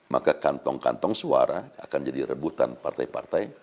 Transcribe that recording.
maka kantong kantong suara akan jadi rebutan partai partai